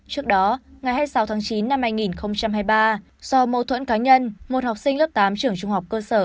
trước đó ngày hai mươi sáu tháng chín năm hai nghìn hai mươi ba do mâu thuẫn cá nhân một học sinh lớp tám trường trung học cơ sở